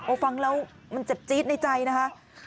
ฟังแล้วมันเจ็บจี๊ดในใจนะคะ